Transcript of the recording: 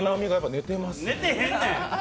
寝てへんねん！